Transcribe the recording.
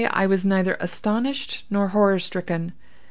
I was neither astonished nor horror stricken.